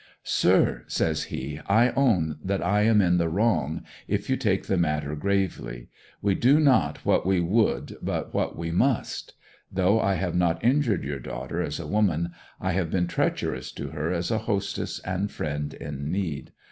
'Sir,' says he, 'I own that I am in the wrong, if you take the matter gravely. We do not what we would but what we must. Though I have not injured your daughter as a woman, I have been treacherous to her as a hostess and friend in need.